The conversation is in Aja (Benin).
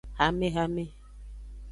Hamehame.